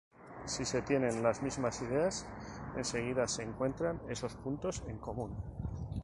Si se tienen las mismas ideas enseguida se encuentran esos puntos en común.